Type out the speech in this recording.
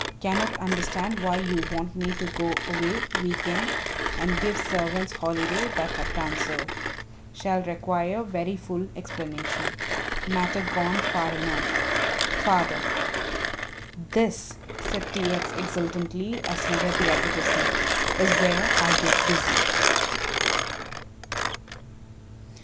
Cannot understand why you want me to go away week end and give servants holiday but have done so. Shall require very full explanation. Matter gone far enough. Father. "This," said T. X. exultantly, as he read the advertisement, "is where I get busy."